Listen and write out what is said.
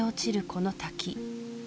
この滝